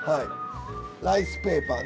ライスペーパーね。